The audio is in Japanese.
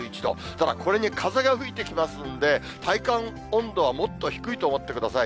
ただ、これに風が吹いてきますんで、体感温度はもっと低いと思ってください。